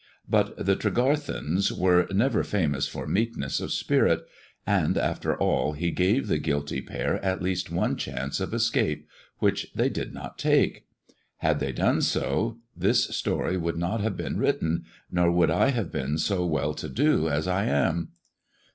But the Tregarthens were iever famous for meekness of spirit ; and after all, he gave •be guilty pair at least one chance of escape, — which they lid not take. Had they done so, this story would not have >«en written, nor would I have been so well to do as I am.